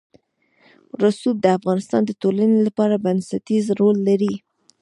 رسوب د افغانستان د ټولنې لپاره بنسټيز رول لري.